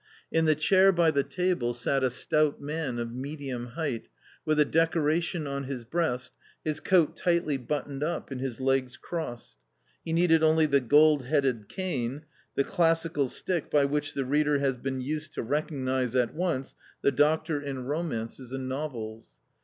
In the chair by the table sat a stout man of medium height, with a decoration on his breast, his coat tightly buttoned up, and his legs crossed. He needed only the gold headed cane, the classical stick by which the reader has been used to recognise at once the doctor in romances 266 A COMMON STORY and novels.